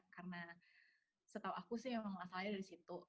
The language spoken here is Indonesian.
karena setahu aku sih emang asalnya dari situ